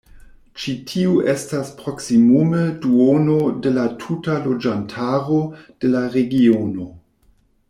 Ĉi tiu estas proksimume duono da la tuta loĝantaro de la regiono.